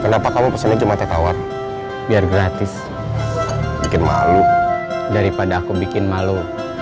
kenapa kamu pesennya cuma tertawar biar gratis bikin malu daripada aku bikin malu